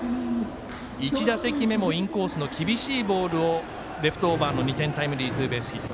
１打席目もインコースの厳しいボールをレフトオーバーのタイムリーツーベースヒット。